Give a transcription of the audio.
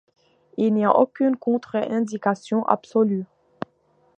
Il n'y a aucune contre-indication absolue.